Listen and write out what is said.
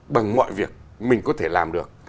bằng mọi việc mình có thể làm được